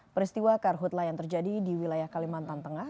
peristiwa karhutlah yang terjadi di wilayah kalimantan tengah